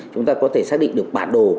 chúng ta có thể xác định được bản đồ